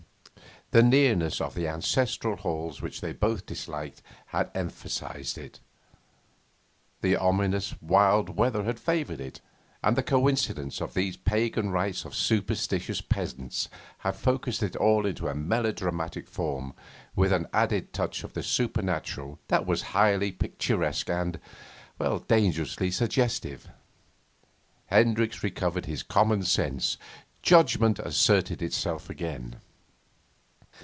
The nearness of the ancestral halls, which they both disliked, had emphasised it; the ominous, wild weather had favoured it; and the coincidence of these pagan rites of superstitious peasants had focused it all into a melodramatic form with an added touch of the supernatural that was highly picturesque and dangerously suggestive. Hendricks recovered his common sense; judgment asserted itself again.